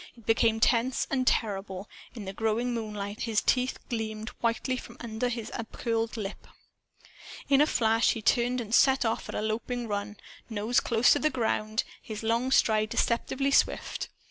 It became tense and terrible. In the growing moonlight his teeth gleamed whitely from under his upcurled lip. In a flash he turned and set off at a loping run, nose close to ground, his long stride deceptively swift.